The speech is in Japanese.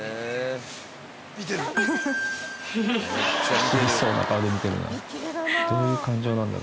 不思議そうな顔で見てるな。